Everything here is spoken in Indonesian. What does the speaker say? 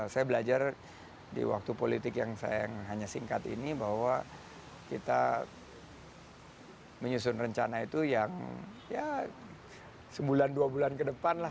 saya belajar di waktu politik yang hanya singkat ini bahwa kita menyusun rencana itu yang ya sebulan dua bulan ke depan lah